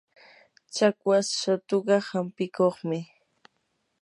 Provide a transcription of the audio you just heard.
chakwas shatuka hampikuqmi.